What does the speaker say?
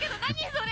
それ。